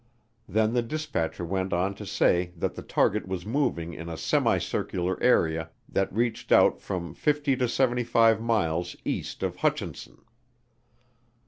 Then the dispatcher went on to say that the target was moving in a semi circular area that reached out from 50 to 75 miles east of Hutchinson.